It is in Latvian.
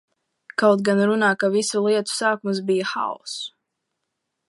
Kaut gan runā, ka visu lietu sākums bija haoss.